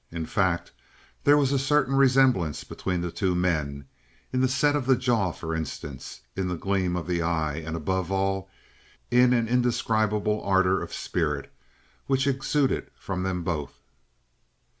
In fact, there was a certain resemblance between the two men; in the set of the jaw for instance, in the gleam of the eye, and above all in an indescribable ardor of spirit, which exuded from them both.